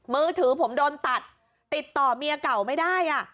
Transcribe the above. มือถือผมโดนตัดติดต่อเมียเก่าไม่ได้